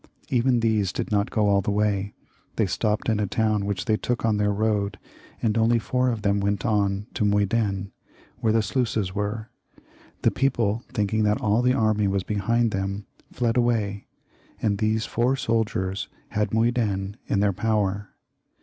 Even these did not get all the way; they 'r^ XLiv.] LOUIS XIV, 345 stopped in a town which they took on their road, and only four of them went on to Muyden, where the sluices were. The people, thinking that all the army was behind them, fled away, and these four soldiers had Muyden in their power.